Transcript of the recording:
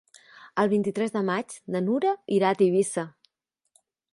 El vint-i-tres de maig na Nura irà a Tivissa.